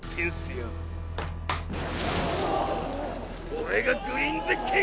オレがグリーンゼッケン！